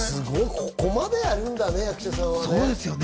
ここまでやるんだね、役者さんって。